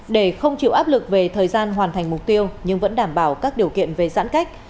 để không chịu áp lực về thời gian hoàn thành mục tiêu nhưng vẫn đảm bảo các điều kiện về giãn cách